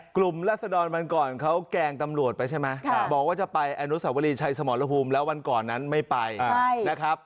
รัศดรวันก่อนเขาแกล้งตำรวจไปใช่ไหมบอกว่าจะไปอนุสาวรีชัยสมรภูมิแล้ววันก่อนนั้นไม่ไปนะครับ